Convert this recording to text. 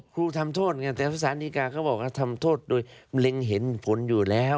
ครูทำโทษไงแต่สารดีกาเขาบอกว่าทำโทษโดยเล็งเห็นผลอยู่แล้ว